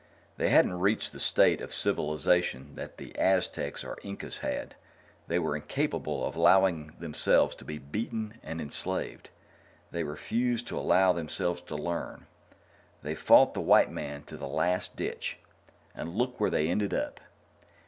"They hadn't reached the state of civilization that the Aztecs or Incas had. They were incapable of allowing themselves to be beaten and enslaved they refused to allow themselves to learn. They fought the white man to the last ditch and look where they ended up."